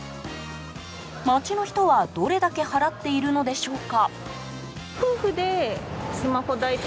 街の人は、どれだけ払っているのでしょうか。